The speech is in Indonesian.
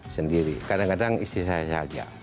sendiri kadang kadang istri saya saja